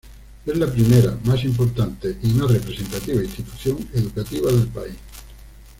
Es la primera, más importante y más representativa institución educativa del país.